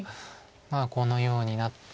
このようになって。